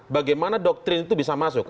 bagaimana doktrin itu bisa masuk